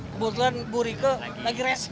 kebetulan mbak rike lagi reses